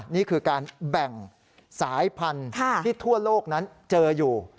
นี่คือการแบ่งสายพันธุ์ที่ทั่วโลกนั้นเจออยู่